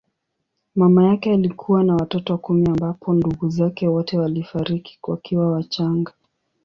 Mama yake alikuwa na watoto kumi ambapo ndugu zake wote walifariki wakiwa wachanga.